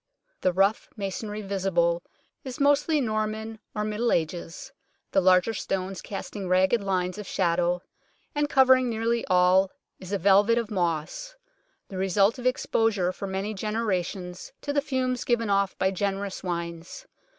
The rough masonry visible is mostly Norman or Middle Ages, the larger stones casting ragged lines of shadow, and covering nearly all is a velvet of moss, the result of exposure for many genera tions to the fumes given off by generous wines.